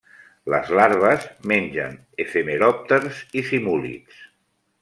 Les larves mengen efemeròpters i simúlids.